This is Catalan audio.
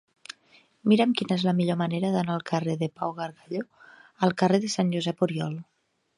Mira'm quina és la millor manera d'anar del carrer de Pau Gargallo al carrer de Sant Josep Oriol.